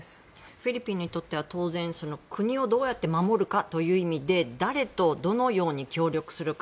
フィリピンにとっては当然国をどう守るかという意味で誰と、どのように協力するか。